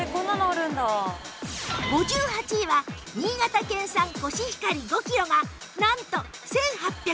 ５８位は新潟県産こしひかり５キロがなんと１８１５円！